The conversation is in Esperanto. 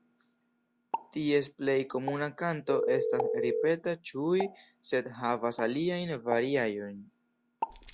Ties plej komuna kanto estas ripeta "ĉu-ŭii" sed havas aliajn variaĵojn.